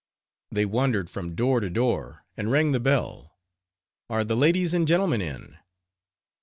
They wandered from door to door, and rang the bell—Are _the ladies and gentlemen in?